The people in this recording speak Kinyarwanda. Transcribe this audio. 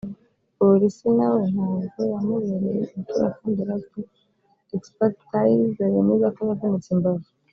Polisi na we ntabwo yamubereye imfura kandi yari afite ‘expertise ‘yemeza ko yavunitse imbavu